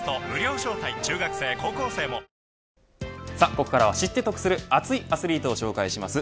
ここからは知って得する熱いアスリートを紹介します。